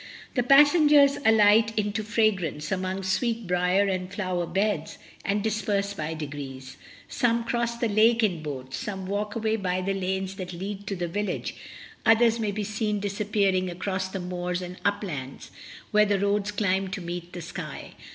The passengers alight into fra grance among sweetbriar and flower beds, and dis perse by degrees: some cross the lake in boats, some walk away by the lanes that lead to the vil lage, others may be seen disappearing across the moors and uplands, where the roads climb to meet the sky.